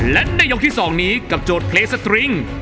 และในยกที่๒นี้กับโจทย์เพลงสตริง